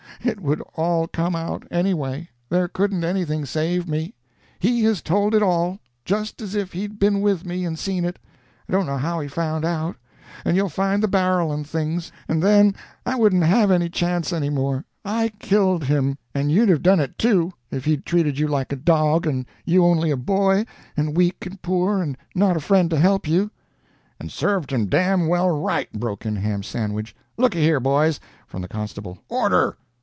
It would all come out, anyway there couldn't anything save me. He has told it all, just as if he'd been with me and seen it I don't know how he found out; and you'll find the barrel and things, and then I wouldn't have any chance any more. I killed him; and you'd have done it too, if he'd treated you like a dog, and you only a boy, and weak and poor, and not a friend to help you." "And served him damned well right!" broke in Ham Sandwich. "Looky here, boys " From the constable: "Order!